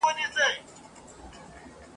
د بې ننګه پښتون مشره له خپل نوم څخه شرمېږم !.